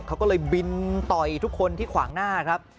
เขาก็เลยบินต่อยทุกคนที่ขวางหน้าครับ